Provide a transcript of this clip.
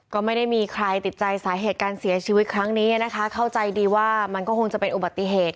ก็ไม่ได้มีใครติดใจสาเหตุการเสียชีวิตครั้งนี้นะคะเข้าใจดีว่ามันก็คงจะเป็นอุบัติเหตุ